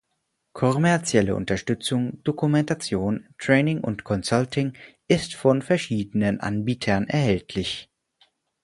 Kommerzielle Unterstützung, Dokumentation, Training und Consulting ist von verschiedenen Anbietern erhältlich.